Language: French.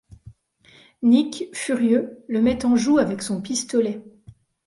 Nick, furieux, le met en joue avec son pistolet.